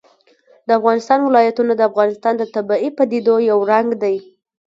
د افغانستان ولايتونه د افغانستان د طبیعي پدیدو یو رنګ دی.